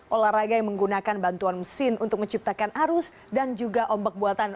olahraga yang menggunakan bantuan mesin untuk menciptakan arus dan juga ombak buatan